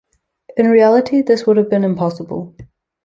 In reality this would have been impossible.